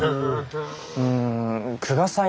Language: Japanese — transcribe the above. うん久我さん